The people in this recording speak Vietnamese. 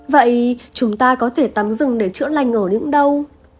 vậy chúng ta có thể tắm rừng để chữa lành ở những đâu